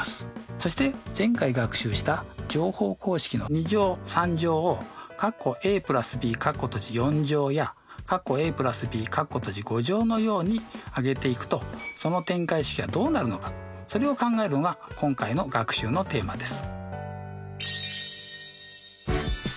そして前回学習した乗法公式の２乗３乗をやのように上げていくとその展開式はどうなるのかそれを考えるのが今回の学習のテーマです。